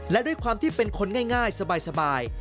และด้วยความที่เป็นคนง่ายสบาย